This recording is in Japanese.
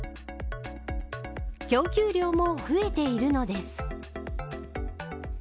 供給量も増えているのです。